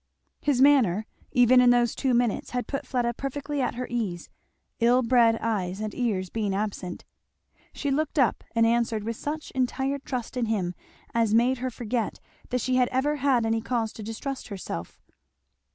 His manner, even in those two minutes, had put Fleda perfectly at her ease, ill bred eyes and ears being absent. She looked up and answered, with such entire trust in him as made her forget that she had ever had any cause to distrust herself.